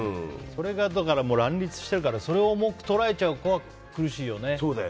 それが乱立してるからそれを重く捉えちゃう子は苦しいよね。